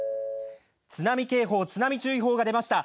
津波警報、津波注意報が出ました。